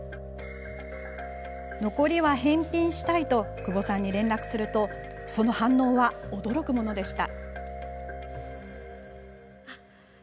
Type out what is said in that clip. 残りは返品したいと久保さんに連絡するとその反応は驚くものでした。